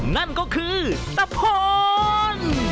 นั่นก็คือตะโพน